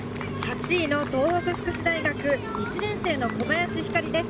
８位の東北福祉大学、１年生の小林日香莉です。